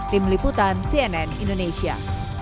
tim liputan cnn indonesia